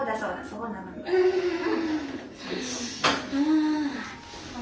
うん。